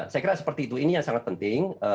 saya kira seperti itu ini yang sangat penting